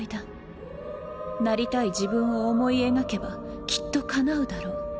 なりたい自分を思い描けばきっとかなうだろう